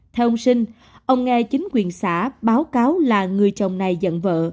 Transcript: theo ông sinh ông nghe chính quyền xã báo cáo là người chồng này dẫn vợ